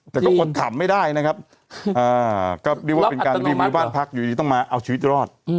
แต่ก็กดถ่ำไม่ได้นะครับอ่าก็ดีว่าเป็นการรีวิวบ้านพักครูอยู่ดีต้องมาเอาชีวิตรอด